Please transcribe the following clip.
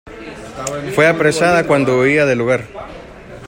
Fue apresada cuando huía del lugar.